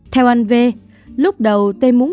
theo anh v lúc đầu t muốn